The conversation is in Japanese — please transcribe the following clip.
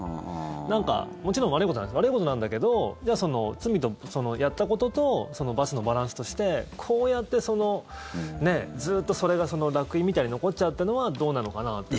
もちろん悪いことなんです悪いことなんだけど罪と、そのやったこととその罰のバランスとしてこうやって、ずっとそれがらく印みたいに残っちゃうっていうのはどうなのかなっていう。